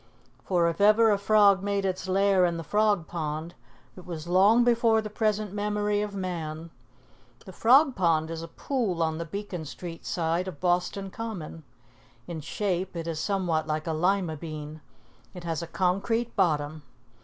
For if ever a frog made its lair in the Frog Pond, it was long before the present memory of man. The Frog Pond is a pool on the Beacon Street side of Boston Common. In shape it is somewhat like a lima bean. It has a concrete bottom.